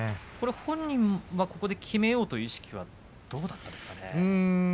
本人のきめようという意識はどうだったですかね。